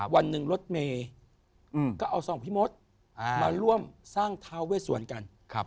วันหนึ่งรถเมย์ก็เอาสองพี่มดมาร่วมสร้างท้าเวสวรรณกัน